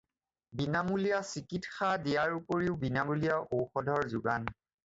বিনামূলীয়া চিকিৎসা দিয়াৰ উপৰিও বিনামূলীয়া ঔষধৰ যোগান।